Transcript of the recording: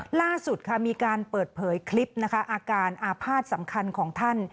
ล่าสุดค่ะมีการเปิดเผยคลิปนะคะอาการอาภาษณ์สำคัญของท่าน